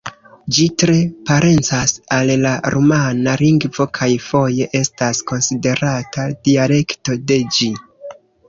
Ĝi tre parencas al la rumana lingvo kaj foje estas konsiderata dialekto de ĝi.